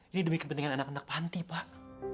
ini demi kepentingan anak anak panti pak